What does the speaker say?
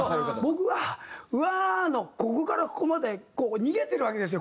僕は「ウワーッ」のここからここまで逃げてるわけですよ